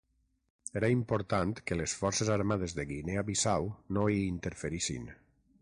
Era important que les Forces Armades de Guinea Bissau no hi interferissin.